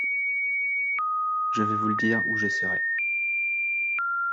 Je vais vous le dire où je serai.